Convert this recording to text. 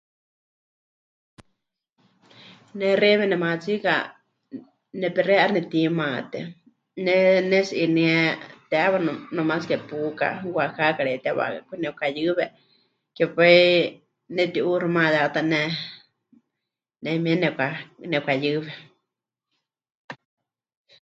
Ne xeíme nemaatsika nepexeiya 'aixɨ nepɨtimaté, ne pɨnetsi'iníe teewa no... nomás ke pauka, Oaxaca reyetewakaku. Nepɨkayɨwe. Ke pai nemɨti'uuximayátane, ne 'ayumíe nepɨka... nepɨkayɨwe.